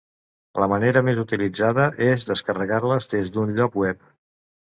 La manera més utilitzada és descarregar-les des d'un lloc web.